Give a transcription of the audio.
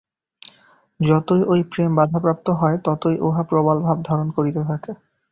যতই ঐ প্রেম বাধাপ্রাপ্ত হয়, ততই উহা প্রবল ভাব ধারণ করিতে থাকে।